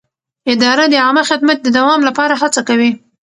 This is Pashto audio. اداره د عامه خدمت د دوام لپاره هڅه کوي.